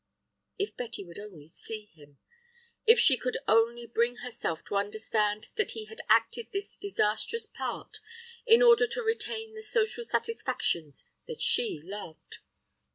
If Betty would only see him. If she could only bring herself to understand that he had acted this disastrous part in order to retain the social satisfactions that she loved.